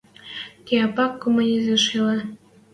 Кеӓ пак — коммунизмӹш йӹле.